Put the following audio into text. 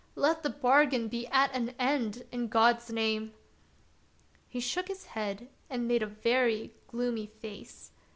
Let the bargain be at an end, in God's name !" He shook his head and made a very gloomy face.